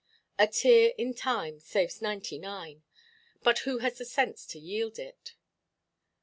A tear in time saves ninety–nine; but who has the sense to yield it?